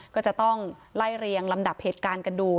ก็จะต้องไล่เรียงลำดับเหตุการณ์กันดู